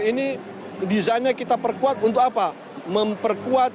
ini desainnya kita perkuat untuk apa memperkuat ke indonesiaan di mata umumnya di indonesia ini